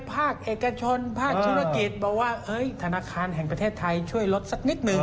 ภาคเอกชนภาคธุรกิจบอกว่าเฮ้ยธนาคารแห่งประเทศไทยช่วยลดสักนิดหนึ่ง